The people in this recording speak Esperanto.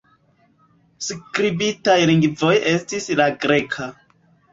Skribitaj lingvoj estis la greka.